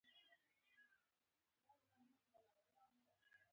پر میلیونونو وګړو یې اغېز ښندلی دی.